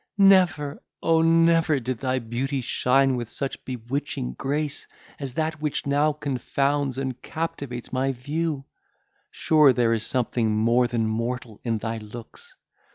Never, O never did thy beauty shine with such bewitching grace, as that which now confounds and captivates my view! Sure there is something more than mortal in thy looks!